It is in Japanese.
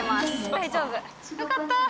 大丈夫よかった。